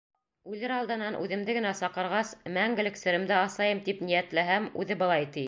Үлер алдынан үҙемде генә саҡырғас, мәңгелек серемде асайым, тип ниәтләһәм, үҙе былай ти: